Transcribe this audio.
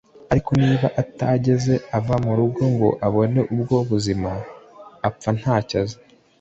ariko niba atigeze ava murugo ngo abone ubwo buzima, apfa ntacyo azi